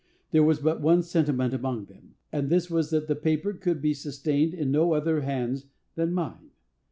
There was but one sentiment among them, and this was that the paper could be sustained in no other hands than mine.